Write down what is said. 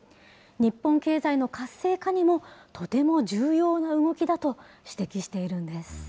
日本経済の活性化にもとても重要な動きだと指摘しているんです。